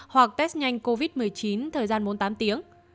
hoặc test nhanh covid một mươi chín thời gian bốn mươi tám tiếng